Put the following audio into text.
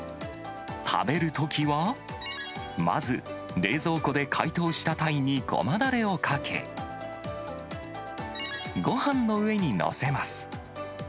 食べるときは、まず冷蔵庫で解凍したタイにごまだれをかけ、ごはんの上に載せます。